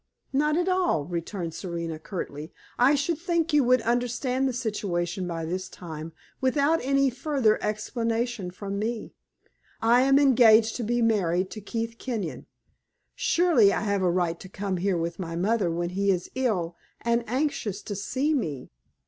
"Not at all!" returned Serena, curtly. "I should think you would understand the situation by this time, without any further explanation from me. I am engaged to be married to Keith Kenyon. Surely I have a right to come here with my mother when he is ill and anxious to see me.